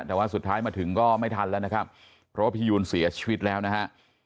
แต่ว่าสุดท้ายมาถึงก็ไม่ทันแล้วนะครับเพราะว่าพี่ยูนเสียชีวิตแล้วนะฮะ